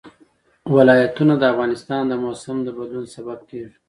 ولایتونه د افغانستان د موسم د بدلون سبب کېږي.